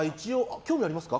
興味ありますか？